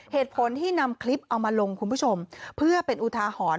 เหตุผลที่นำคลิปเอามาลงคุณผู้ชมเพื่อเป็นอุทาหรณ์